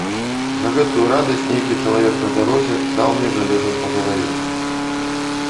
За гэтую радасць нейкі чалавек на дарозе даў мне жалезам па галаве.